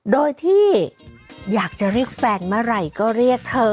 โดยที่อยากจะเรียกแฟนเมื่อไหร่ก็เรียกเธอ